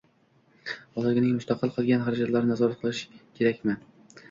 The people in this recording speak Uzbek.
Bolaning mustaqil qilgan xarajatlarini nazorat qilish kerakmi?